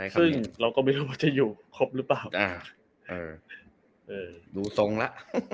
ซึ่งเราก็ไม่รู้ว่าจะอยู่ครบหรือเปล่าอ่าเออดูตรงละ